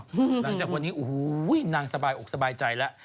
หลังจากวันนี้โอ้โหนางสบายอกสบายใจแล้ว